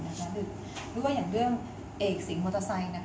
หรือว่าอย่างเรื่องเอกสิงมอเตอร์ไซค์